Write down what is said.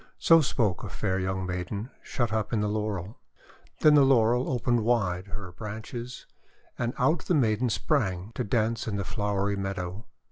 So spoke a fair young maiden shut up in the Laurel. Then the Laurel opened wide her 318 THE WONDER GARDEN branches, and out the maiden sprang to dance in the flowery meadow.